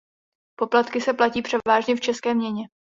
Poplatky se platí převážně v české měně.